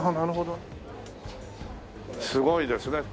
すごいですね。